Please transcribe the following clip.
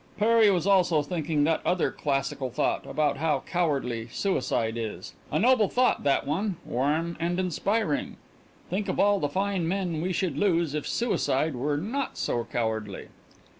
Perry was also thinking that other classical thought, about how cowardly suicide is. A noble thought that one warm and inspiring. Think of all the fine men we should lose if suicide were not so cowardly!